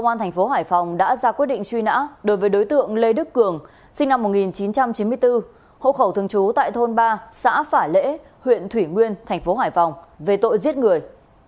công an thành phố hải phòng đã ra quyết định truy nã đối với đối tượng lê đức cường sinh năm một nghìn chín trăm chín mươi bốn hộ khẩu thường trú tại thôn ba xã phả lễ huyện thủy nguyên thành phố hải phòng về tội giết người